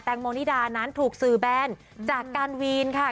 งโมนิดานั้นถูกสื่อแบนจากการวีนค่ะ